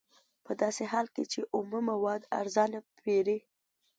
په داسې حال کې چې اومه مواد ارزانه پېري